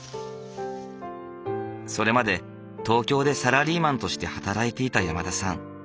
それまで東京でサラリーマンとして働いていた山田さん。